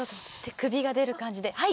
首が出る感じではい。